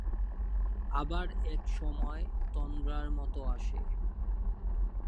আবার একসময় তন্দ্রার মতো আসে।